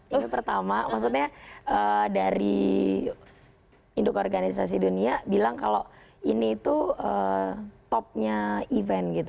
itu pertama maksudnya dari induk organisasi dunia bilang kalau ini tuh topnya event gitu